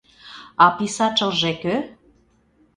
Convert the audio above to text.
— А писачылже кӧ?